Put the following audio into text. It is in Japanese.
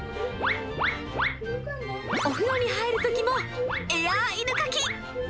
お風呂に入るときもエア犬かき。